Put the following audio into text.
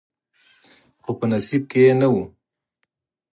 خو په نصیب کې یې نه و.